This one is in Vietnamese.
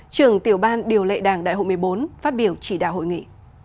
trưởng tiểu ban điều lệ đảng đại hội một mươi bốn phát biểu chỉ đạo hội nghị